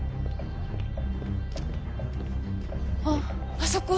あっあそこ！